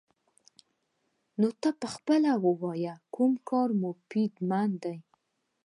نو ته پخپله ووايه كوم كار فايده مند دې؟